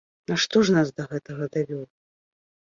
Нашто ж нас да гэтага давёў?